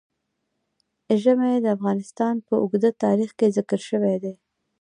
ژمی د افغانستان په اوږده تاریخ کې ذکر شوی دی.